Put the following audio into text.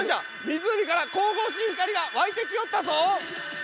湖から神々しい光が湧いてきよったぞ。